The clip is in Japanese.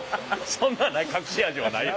そんな隠し味はないよ